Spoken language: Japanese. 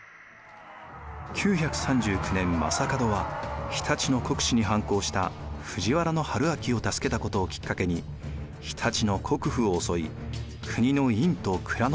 ９３９年将門は常陸の国司に反抗した藤原玄明を助けたことをきっかけに常陸の国府を襲い国の印と蔵の鍵を奪います。